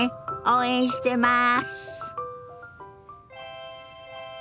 応援してます。